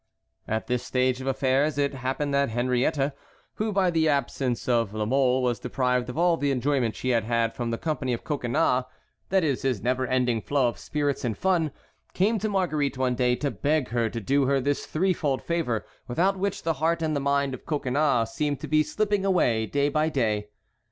At this stage of affairs it happened that Henriette, who by the absence of La Mole was deprived of all the enjoyment she had had from the company of Coconnas, that is, his never ending flow of spirits and fun, came to Marguerite one day to beg her to do her this three fold favor without which the heart and the mind of Coconnas seemed to be slipping away day by day.